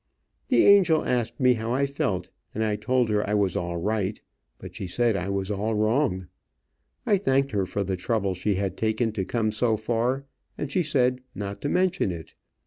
The angel asked me how I felt, and I told her I was all right, but she said I was all wrong. I thanked her for the trouble she had taken to come so far, and she said not to mention it.